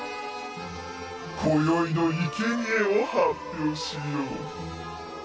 こよいのいけにえを発表しよう。